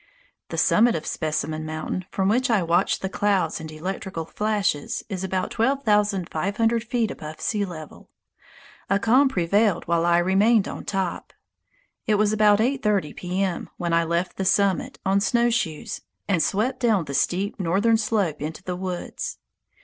The summit of Specimen Mountain, from which I watched the clouds and electrical flashes, is about twelve thousand five hundred feet above sea level. A calm prevailed while I remained on top. It was about 8.30 P. M. when I left the summit, on snowshoes, and swept down the steep northern slope into the woods.